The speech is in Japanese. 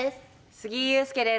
杉井勇介です。